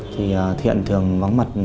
thì qua đó thiện đã mọc nối với người phụ nữ đó